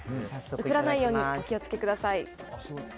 映らないようにお気をつけください。